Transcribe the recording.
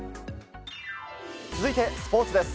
続いてスポーツです。